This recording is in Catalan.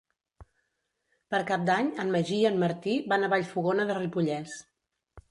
Per Cap d'Any en Magí i en Martí van a Vallfogona de Ripollès.